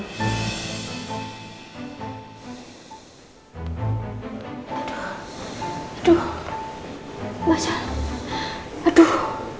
aduh aduh mas al aduh